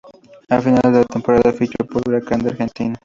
A finales de la temporada fichó por Huracán de Argentina.